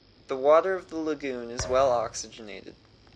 The water of the lagoon is well oxygenated.